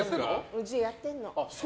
うちやってんの。